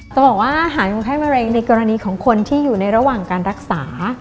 จะบอกว่าอาหารคนไข้มะเร็งในกรณีของคนที่อยู่ในระหว่างการรักษา